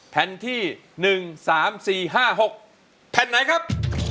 แผ่นที่๑๓๔๕๖แผ่นไหนครับ